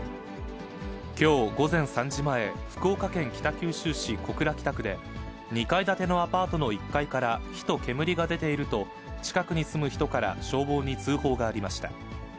きょう午前３時前、福岡県北九州市小倉北区で、２階建てのアパートの１階から火と煙が出ていると、近くに住む人から消防に通報がありました。